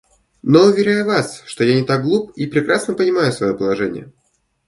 Но уверяю вас, что я не так глуп и прекрасно понимаю свое положение.